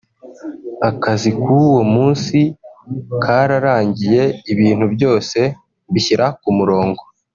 Akazi k’uwo munsi kararangiye ibintu byose mbishyira ku murongo